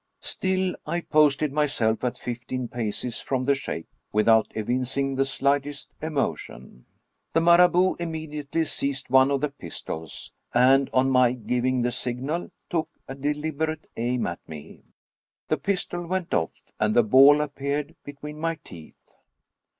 Still I posted myself at fifteen paces from the sheik, with out evincing the slightest emotion. The Marabout immediately seized one of the pistols, and, on my giving the signal, took a deliberate aim at me. The pistol went oflf, and the ball appeared between my' teeth.